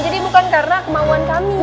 jadi bukan karena kemauan kami